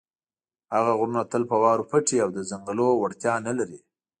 هغه غرونه تل په واورو پټ وي او د څنګلونو وړتیا نه لري.